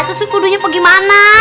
terus kudunya bagaimana